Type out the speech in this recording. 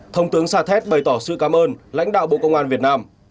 thông tướng sa thét bày tỏ sự cảm ơn lãnh đạo bộ công an việt nam